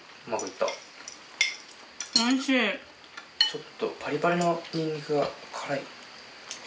ちょっとパリパリのニンニクが辛い。